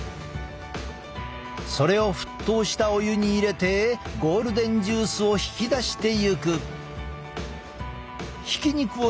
それを沸騰したお湯に入れてゴールデンジュースを引き出していく。